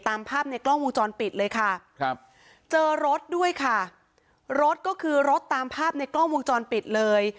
ตามภาพในกล้องวงจรปิดเลยค่ะครับเจอรถด้วยค่ะรถก็คือรถตามภาพในกล้องวงจรปิดเลย